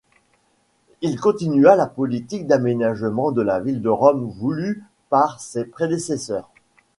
Il continua la politique d'aménagement de la ville de Rome voulue par ses prédécesseurs.